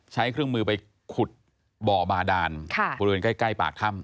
ใช้เครื่องมือไปขุดบ่อบาดานบริเวณใกล้ปากถ้ำ